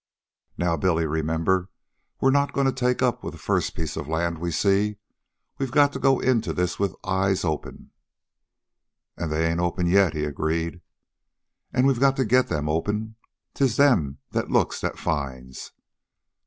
"Now, Billy, remember we're not going to take up with the first piece of land we see. We've got to go into this with our eyes open " "An' they ain't open yet," he agreed. "And we've got to get them open. ''Tis them that looks that finds.'